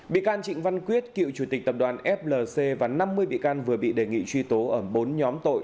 bị can trịnh văn quyết cựu chủ tịch tập đoàn flc và năm mươi bị can vừa bị đề nghị truy tố ở bốn nhóm tội